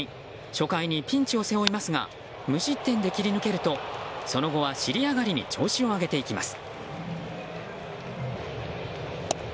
初回にピンチを背負いますが無失点で切り抜けるとその後は尻上がりに調子を上げていきます。